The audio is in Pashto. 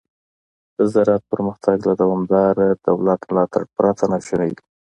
د زراعت پرمختګ له دوامداره دولت ملاتړ پرته ناشونی دی.